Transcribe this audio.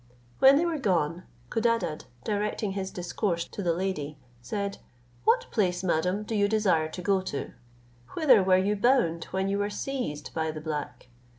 When they were gone, Codadad, directing his discourse to the lady, said, "What place, madam, do you desire to go to? Whither were you bound when you were seized by the black?